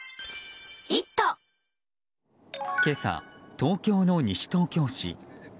今朝、東京の西東京市。